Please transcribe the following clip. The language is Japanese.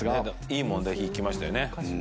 いい問題引きましたよね。